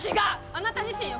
あなた自身よ！